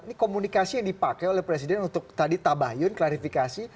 ini komunikasi yang dipakai oleh presiden untuk tadi tabahyun klarifikasi